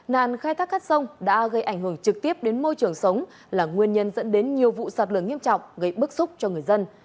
nạn khai thác cát sông đã gây ảnh hưởng trực tiếp đến môi trường sống là nguyên nhân dẫn đến nhiều vụ sạt lửa nghiêm trọng gây bức xúc cho người dân